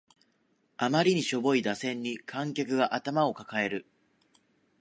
あまりにしょぼい打線に観客が頭を抱える